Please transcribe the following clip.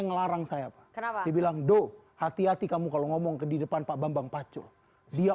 ngelarang saya pak kenapa dibilang do hati hati kamu kalau ngomong ke di depan pak bambang pacul dia